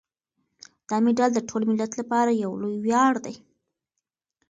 دا مډال د ټول ملت لپاره یو لوی ویاړ دی.